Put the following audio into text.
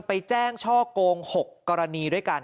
ไปแจ้งช่อกง๖กรณีด้วยกัน